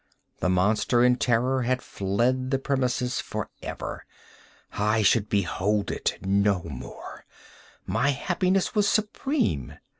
The monster, in terror, had fled the premises forever! I should behold it no more! My happiness was supreme!